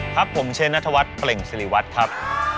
ครับผมเชนัทวัฒน์เปล่งสิริวัตรครับ